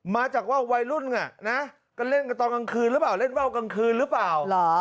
มาจากว่าวัยรุ่นก็เล่นกันตอนกลางคืนหรือเปล่าเล่นว่าวกลางคืนหรือเปล่า